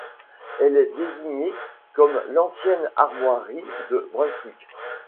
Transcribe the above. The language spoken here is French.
Elle est désignée comme “l’ancienne armoirie de Brunswick”.